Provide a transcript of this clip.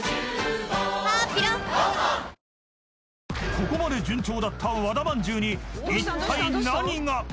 ［ここまで順調だった和田まんじゅうに］